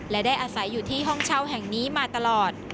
และได้อาศัยอยู่ที่ห้องเช่าแห่งนี้มาตลอด